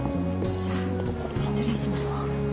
じゃあ失礼します。